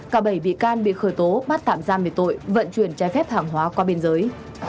cả bảy bị can bị khởi tố bắt tạm giam về tội vận chuyển trái phép hàng hóa qua biên giới